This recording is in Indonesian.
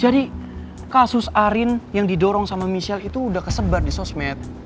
jadi kasus arin yang didorong sama michelle itu udah kesembar di sosmed